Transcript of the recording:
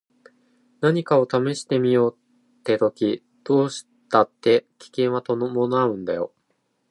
何かを試してみようって時どうしたって危険は伴うんだよ。